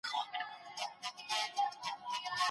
د شپې لخوا لږ خواړه خورئ.